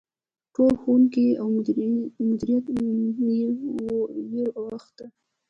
ټول ښوونکي او مدیریت یې په ویر اخته کړي.